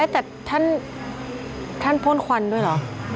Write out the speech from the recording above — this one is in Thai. แต่ท่านท่านพลขวรด้วยหรอ